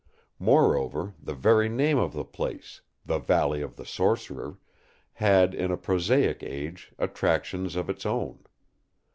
Moreover, the very name of the place, 'the Valley of the Sorcerer', had, in a prosaic age, attractions of its own.